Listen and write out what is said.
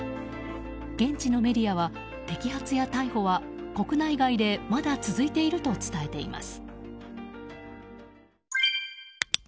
現地のメディアは、摘発や逮捕は国内外でまだ続いていると伝えています。